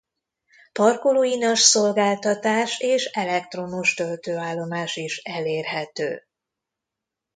Parkolóinas-szolgáltatás és elektromos töltőállomás is elérhető.